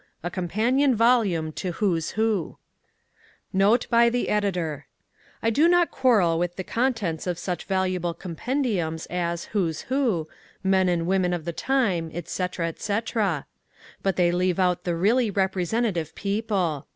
A Companion Volume to Who's Who Note by the editor: I do not quarrel with the contents of such valuable compendiums as "Who's Who," "Men and Women of the Time," etc., etc. But they leave out the really Representative People.